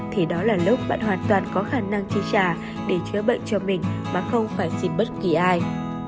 thì đó là lúc bạn hoàn toàn có khả năng chi trả để chữa bệnh cho mình mà không phải xin bất kỳ ai